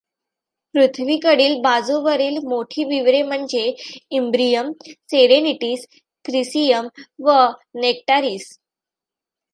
पॄथ्वीकडील बाजूवरील मोठी विवरे म्हणजे इंब्रियम, सेरेनिटटिस, क्रिसियम व नेक्टारिस.